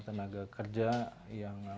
tenaga kerja yang